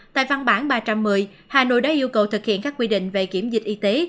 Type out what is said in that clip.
tại văn bản ba trăm một mươi hà nội đã yêu cầu thực hiện các quy định về kiểm dịch y tế